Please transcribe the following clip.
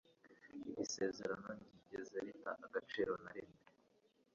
Iri sezerano ntiryigeze rita agaciro na rimwe.